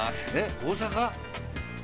大阪？